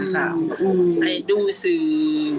ให้ดูสื่อ